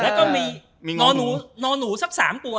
แล้วก็มีนอหนูสัก๓ตัว